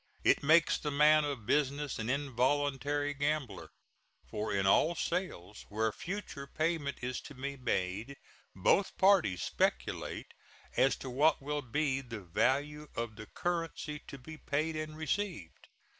It makes the man of business an involuntary gambler, for in all sales where future payment is to be made both parties speculate as to what will be the value of the currency to be paid and received.